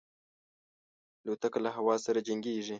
الوتکه له هوا سره جنګيږي.